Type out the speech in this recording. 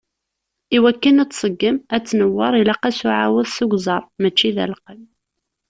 Iwakken ad tseggem, ad tnewweṛ, ilaq-as uɛawed seg uẓar, mačči d aleqqem.